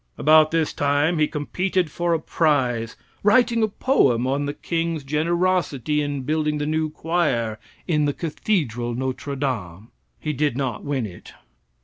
About this time he competed for a prize, writing a poem on the king's generosity in building the new choir in the cathedral Notre Dame. He did not win it.